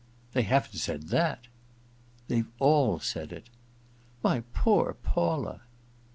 * They haven't said that ?'* They've all said it' * My poor Paula